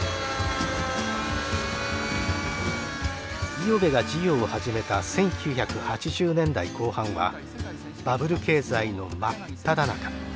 五百部が事業を始めた１９８０年代後半はバブル経済の真っただ中。